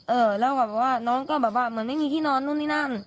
เออแล้วแบบว่าน้องก็แบบว่าเหมือนไม่มีที่นอนนู่นนี่นั่น